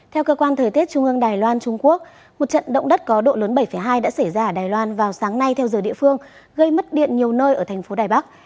theo cơ quan thời tiết trung ương đài loan trung quốc một trận động đất có độ lớn bảy hai đã xảy ra ở đài loan vào sáng nay theo giờ địa phương gây mất điện nhiều nơi ở thành phố đài bắc